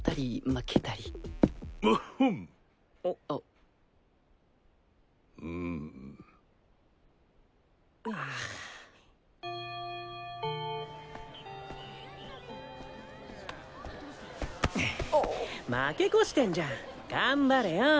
負け越してんじゃん頑張れよ！